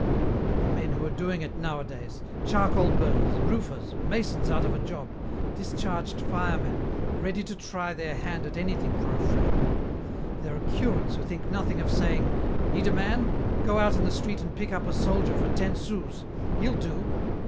Look at the men who are doing it nowadays. Charcoal burners, roofers, masons out of a job, discharged firemen, ready to try their hand at anything for a franc. There are curates who think nothing of saying, 'Need a man? Go out in the street and pick up a soldier for ten sous. He'll do.'